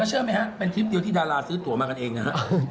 เชื่อไหมฮะเป็นคลิปเดียวที่ดาราซื้อตัวมากันเองนะฮะ